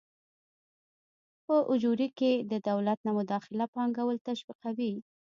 په اجورې کې د دولت نه مداخله پانګوال تشویقوي.